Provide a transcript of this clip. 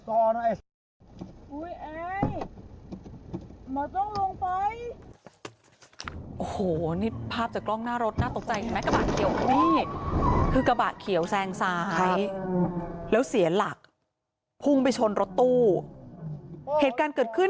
โอ้โหนี่ภาพจากกล้องหน้ารถน่าตกใจเห็นไหมกระบะเขียวนี่คือกระบะเขียวแซงซ้ายแล้วเสียหลักพุ่งไปชนรถตู้เหตุการณ์เกิดขึ้น